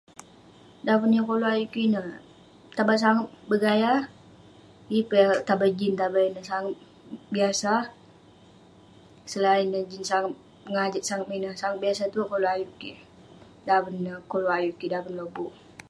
Daven yah koluek ayuk kik ineh tabang sagep bergaya yeng peh tabang jean tabang sagep biasa selain neh Jin sagep pegajik sagep ineh, sagep biasa tuek koluek ayuk kik daven yah koluek ayuk kik lobuk